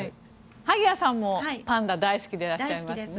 萩谷さんもパンダ大好きでいらっしゃいますね。